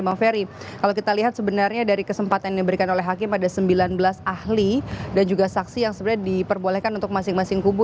bang ferry kalau kita lihat sebenarnya dari kesempatan yang diberikan oleh hakim ada sembilan belas ahli dan juga saksi yang sebenarnya diperbolehkan untuk masing masing kubu